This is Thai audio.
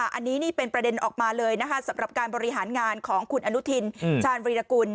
อันนี้นี่เป็นประเด็นออกมาเลยสำหรับการบริหารงานของคุณอนุทินชาญวีรกุล